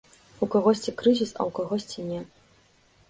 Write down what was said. У кагосьці крызіс, а ў кагосьці не.